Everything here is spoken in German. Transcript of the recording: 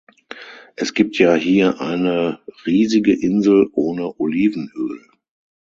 Es gibt ja hier eine riesige Insel ohne Olivenöl.